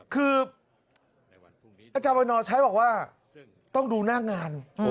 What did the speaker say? คืออาจารย์วันนอร์ใช้บอกว่าต้องดูหน้างาน